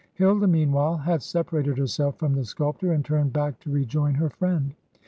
Hilda, meanwhile, had separated herself from the sculptor, and turned back to rejoin her friend.